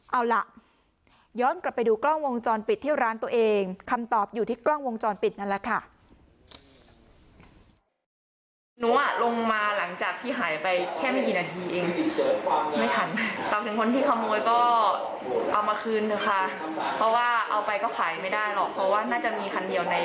เอาล่ะย้อนกลับไปดูกล้องวงจรปิดที่ร้านตัวเองคำตอบอยู่ที่กล้องวงจรปิดนั่นแหละค่ะ